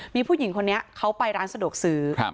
มีผู้หญิงคนนี้เขาไปร้านสะดวกซื้อ